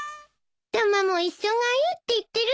タマも一緒がいいって言ってるです。